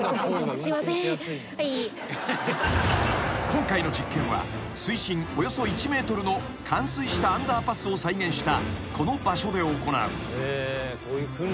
［今回の実験は水深およそ１ｍの冠水したアンダーパスを再現したこの場所で行う］